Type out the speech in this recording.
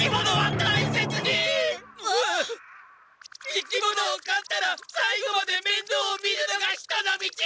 生き物をかったら最後まで面倒を見るのが人の道！